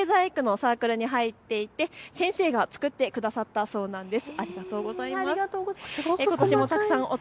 竹細工のサークルに入っていて先生が作ってくださったそうなんです。